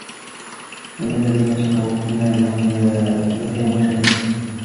فَأَمَّا الَّذِينَ شَقُوا فَفِي النَّارِ لَهُمْ فِيهَا زَفِيرٌ وَشَهِيقٌ